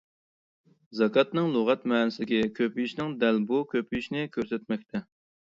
زاكاتنىڭ لۇغەت مەنىسىدىكى كۆپىيىشنىڭ دەل بۇ كۆپىيىشنى كۆرسەتمەكتە.